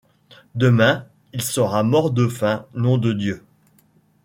Demain il sera mort de faim, nom de Dieu !